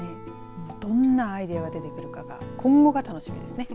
どんなアイデアが出てくるかが今後が楽しみですね。